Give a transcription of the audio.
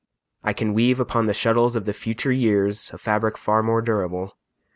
I can weave Upon the shuttles of the future years A fabric far more durable.